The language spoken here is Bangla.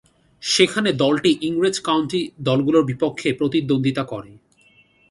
সেখানে দলটি ইংরেজ কাউন্টি দলগুলোর বিপক্ষে প্রতিদ্বন্দ্বিতা করে।